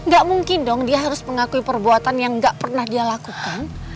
gak mungkin dong dia harus mengakui perbuatan yang gak pernah dia lakukan